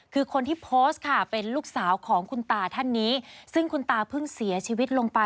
คือคนที่โพสต์ค่ะเป็นลูกสาวของคุณตาท่านนี้